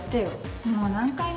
もう何回目？